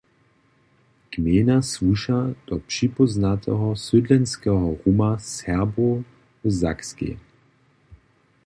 Gmejna słuša do připóznateho sydlenskeho ruma Serbow w Sakskej.